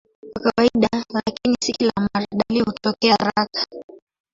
Kwa kawaida, lakini si kila mara, dalili hutokea haraka.